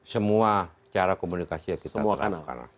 semua cara komunikasi yang kita terapkan semua kanal